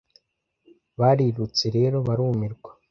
Barirutse rero barumirwa,